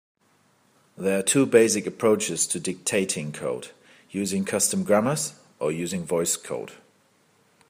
There are two basic approaches to dictating code: using custom grammars or using VoiceCode.